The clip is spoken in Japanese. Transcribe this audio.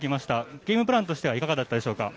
ゲームプランとしてはいかがでしたか？